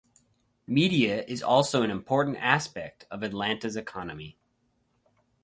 Media is also an important aspect of Atlanta's economy.